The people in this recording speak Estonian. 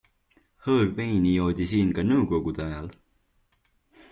Hõõgveini joodi siin ka nõukogude ajal.